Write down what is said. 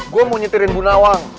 gue mau nyetirin bu nawang